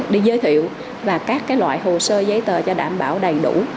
đi giới thiệu và các loại hồ sơ giấy tờ cho đảm bảo đầy đủ